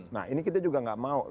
nah ini kita juga nggak mau